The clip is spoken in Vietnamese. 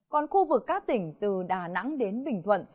còn khu vực các tỉnh từ đà nẵng đến bình thuận